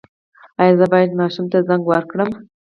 ایا زه باید ماشوم ته زنک ورکړم؟